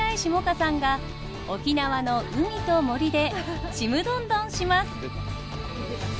歌さんが沖縄の海と森でちむどんどんします！